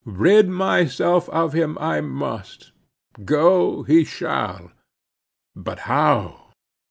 Rid myself of him, I must; go, he shall. But how?